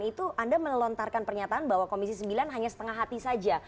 itu anda melontarkan pernyataan bahwa komisi sembilan hanya setengah hati saja